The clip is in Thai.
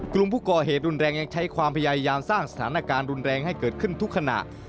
กลุ่มผู้ก่อเหตุรุนแรงยังใช้ความพยายามสร้างสถานการณ์รุนแรงให้เกิดขึ้นทุกขณะ